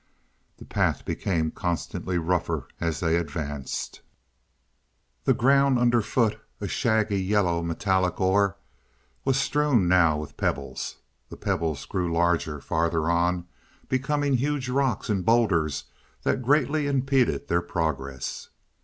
The path became constantly rougher as they advanced. The ground underfoot a shaggy, yellow, metallic ore was strewn now with pebbles. These pebbles grew larger farther on, becoming huge rocks and bowlders that greatly impeded their progress.